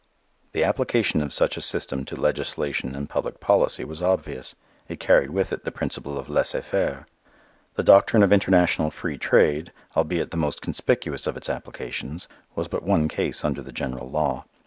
The application of such a system to legislation and public policy was obvious. It carried with it the principle of laissez faire. The doctrine of international free trade, albeit the most conspicuous of its applications, was but one case under the general law.